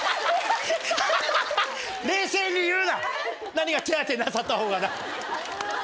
何が「手当てなさったほうが」だ。